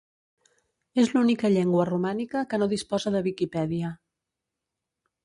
És l'única llengua romànica que no disposa de Viquipèdia.